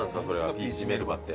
ピーチメルバって。